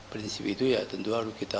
prinsip itu ya tentu harus kita